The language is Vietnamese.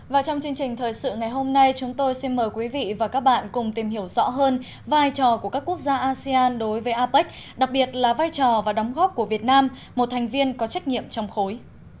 và trong chương trình thời sự ngày hôm nay chúng tôi xin mời quý vị và các bạn cùng tìm hiểu rõ hơn vai trò của các quốc gia asean đối với apec đặc biệt là vai trò và đóng góp của việt nam một thành viên có trách nhiệm trong khối